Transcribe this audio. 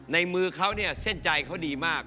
ในมือเขาเนี่ยเส้นใจเขาดีมาก